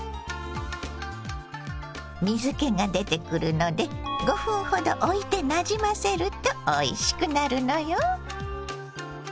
水けが出てくるので５分ほどおいてなじませるとおいしくなるのよ。